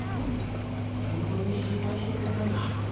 本当に心配してくれたんだ